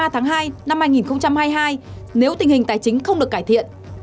hai mươi tháng hai năm hai nghìn hai mươi hai nếu tình hình tài chính không được cải thiện